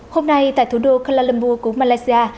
hôm nay tại thủ đô kuala lumpur của malaysia